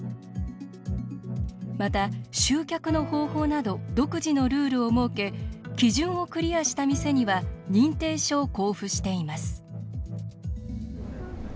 また、集客の方法など独自のルールを設け基準をクリアした店には認定書を交付しています。